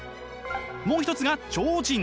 もう一つが超人。